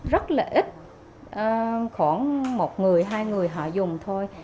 rất là ít khoảng một người hai người họ dùng thôi